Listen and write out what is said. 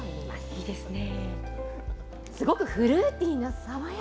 いいですね。